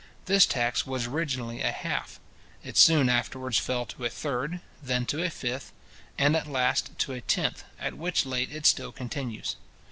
This tax was originally a half; it soon afterwards fell to a third, then to a fifth, and at last to a tenth, at which late it still continues.